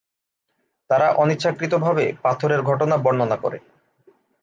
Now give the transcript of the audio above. তারা অনিচ্ছাকৃতভাবে পাথরের ঘটনা বর্ণনা করে।